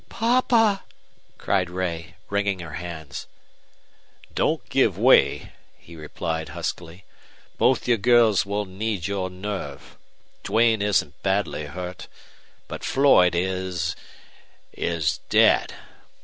"Papa!" cried Ray, wringing her hands. "Don't give way," he replied, huskily. "Both you girls will need your nerve. Duane isn't badly hurt. But Floyd is is dead.